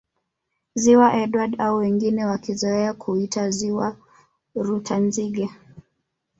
Ziwa Edward au wengi wakizoea kuita Ziwa Rutanzige